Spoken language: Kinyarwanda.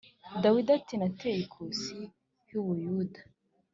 dawidi ati “nateye ikusi h’i buyuda